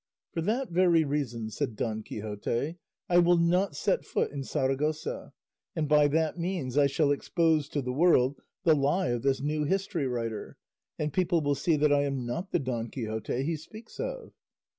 "For that very reason," said Don Quixote, "I will not set foot in Saragossa; and by that means I shall expose to the world the lie of this new history writer, and people will see that I am not the Don Quixote he speaks of."